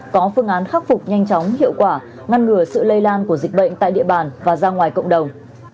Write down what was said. có phương án khắc phục nhanh chóng hiệu quả ngăn ngừa sự lây lan của dịch bệnh tại địa bàn và ra ngoài cộng đồng